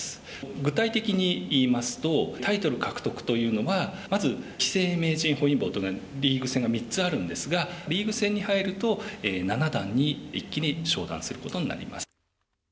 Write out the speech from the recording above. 具体的に言いますとタイトル獲得というのはまず棋聖名人本因坊というのがリーグ戦が３つあるんですがリーグ戦に入ると七段に一気に昇段することになります。